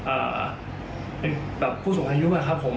อ่าเป็นแบบผู้สูงอายุอะครับผม